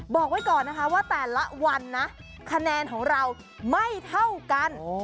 บอกไว้ก่อนนะคะว่าแต่ละวันนะคะแนนของเราไม่เท่ากัน